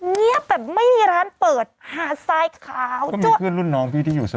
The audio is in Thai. เงียบแบบไม่มีร้านเปิดหาทรายขาวจะมีเพื่อนรุ่นน้องพี่ที่อยู่ซอย